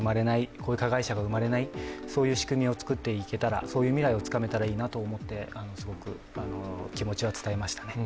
こういう加害者が生まれない、そういう仕組みを作っていけたらそういう未来をつかめたらいいなと思って、気持ちを伝えましたね。